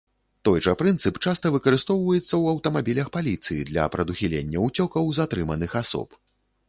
Той жа прынцып часта выкарыстоўваецца ў аўтамабілях паліцыі для прадухілення ўцёкаў затрыманых асоб.